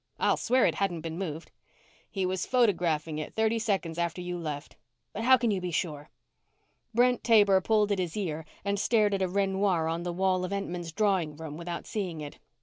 I'll swear it hadn't been moved." "He was photographing it thirty seconds after you left." "But how can you be sure?" Brent Taber pulled at his ear and stared at a Renoir on the wall of Entman's drawing room without seeing it.